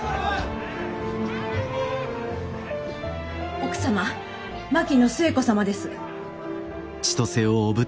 ・奥様槙野寿恵子様です。